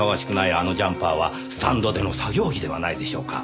あのジャンパーはスタンドでの作業着ではないでしょうか？